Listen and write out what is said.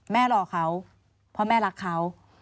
รอเขาเพราะแม่รักเขา